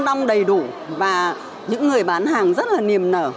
đông đầy đủ và những người bán hàng rất là niềm nở